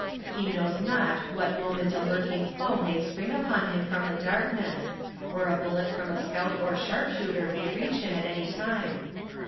He knows not what moment a lurking foe may spring upon him from the darkness, or a bullet from a scout or sharpshooter may reach him at any time.